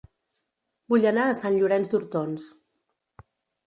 Vull anar a Sant Llorenç d'Hortons